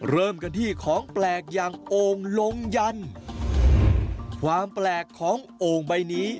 เริ่มกันที่ของแปลกอย่างโอ่งลงยันความแปลกของโอ่งใบนี้